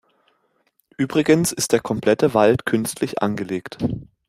Übrigens ist der komplette Wald künstlich angelegt.